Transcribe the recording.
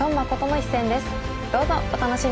どうぞお楽しみに！